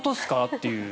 っていう。